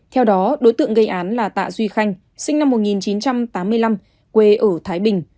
theo đó đối tượng gây án là tạ duy khanh sinh năm một nghìn chín trăm tám mươi năm quê ở thái bình